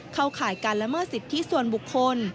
ข่ายการละเมิดสิทธิส่วนบุคคล